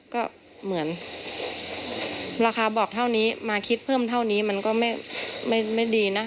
ก็เหมือนราคาบอกเท่านี้มาคิดเพิ่มเท่านี้มันก็ไม่ดีนะ